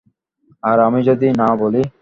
আর আমি যদি না বলি?